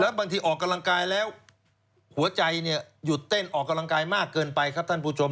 บางทีออกกำลังกายแล้วหัวใจหยุดเต้นออกกำลังกายมากเกินไปครับท่านผู้ชม